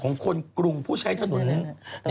ของคนกรุงผู้ใช้ถนน